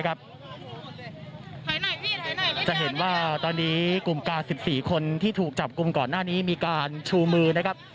เข้าทางแล้ว